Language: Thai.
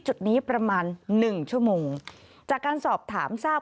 จุดนี้ประมาณหนึ่งชั่วโมงจากการสอบถามทราบ